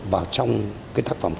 vào trong cái tác phẩm này